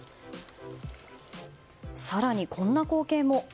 更に、こんな光景も。